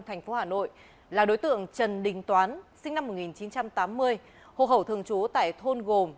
thành phố hà nội là đối tượng trần đình toán sinh năm một nghìn chín trăm tám mươi hồ khẩu thường trú tại thôn gồm